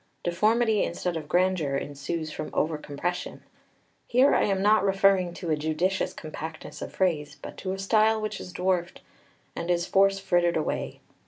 Deformity instead of grandeur ensues from over compression. Here I am not referring to a judicious compactness of phrase, but to a style which is dwarfed, and its force frittered away.